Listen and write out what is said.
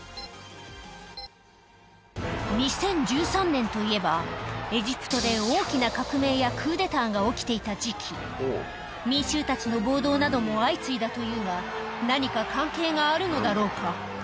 ２０１３年といえばエジプトで大きなが起きていた時期民衆たちの暴動なども相次いだというが何か関係があるのだろうか？